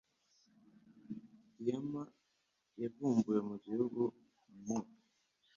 Diyama yavumbuwe numuhungu mu